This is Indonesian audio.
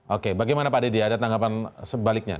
oke bagaimana pak dedy ada tanggapan sebaliknya